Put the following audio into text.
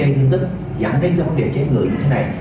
gây nguyên tích dặn đến cho vấn đề chết người như thế này